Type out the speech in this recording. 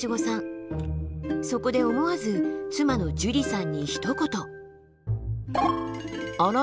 そこで思わず妻のじゅりさんにひと言。